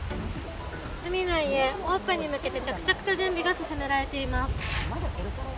海の家オープンに向けて着々と準備が進められています。